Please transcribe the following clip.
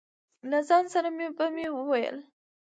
له ځان سره به مې وویل.